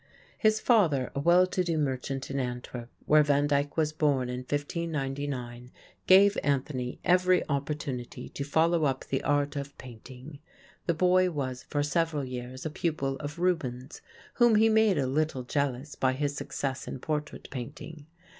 His father, a well to do merchant in Antwerp, where Van Dyck was born in 1599, gave Anthony every opportunity to follow up the art of painting. The boy was for several years a pupil of Rubens, whom he made a little jealous by his success in portrait painting.